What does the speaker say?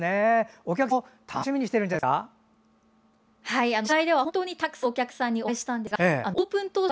お客さんも楽しみにしてるんじゃないですか。